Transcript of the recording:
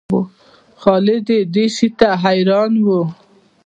خالد یې دې شي ته حیران و.